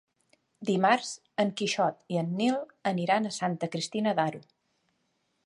Dimarts en Quixot i en Nil aniran a Santa Cristina d'Aro.